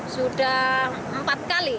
sudah empat kali